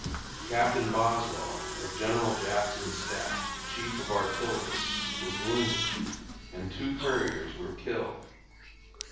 Captain Boswell, of General Jackson's staff, chief of artillery, was wounded; and two couriers were killed.